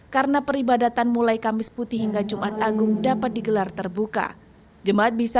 karena peribadatan mulai kamis putih hingga jumat agung dapat digelar terbuka jemaat bisa